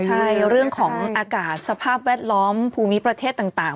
ใช่เรื่องของอากาศสภาพแวดล้อมภูมิประเทศต่าง